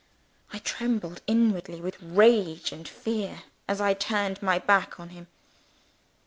I trembled inwardly with rage and fear, as I turned my back on him.